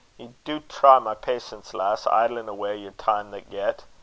ye do try my patience, lass, idlin' awa' yer time that get.